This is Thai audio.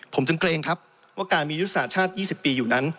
ผมจึงเกรงครับว่าการมียุทธศาสตร์ชาติ๒๐ปีอยู่นั้น